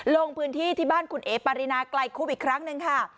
ลงพื้นที่ที่บ้านคุณเอ๋ปารินาไกลคุบอีกครั้งหนึ่งค่ะ